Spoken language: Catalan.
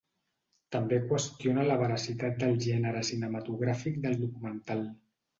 També qüestiona la veracitat del gènere cinematogràfic del documental.